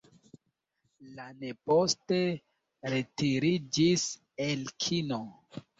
Lane poste retiriĝis el kino.